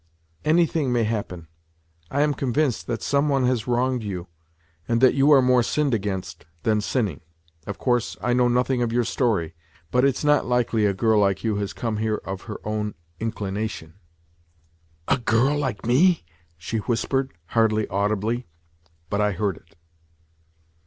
" Anything may happen. I am convinced that some one has wronged you, and that you are more sinned against than sinning. Of course, I know nothing of your story, but it's not likely a girl like you has come here of her own inclination. ..." "A girl like me?" she whispered, hardly audibly; but I heard it.